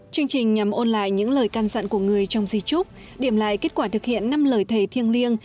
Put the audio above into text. chương trình nhằm ôn lại những lời can dặn của người trong di trúc điểm lại kết quả thực hiện năm lời thề thiêng liêng